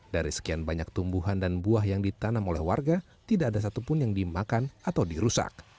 dari sekian banyak tumbuhan dan buah yang ditanam oleh warga tidak ada satupun yang dimakan atau dirusak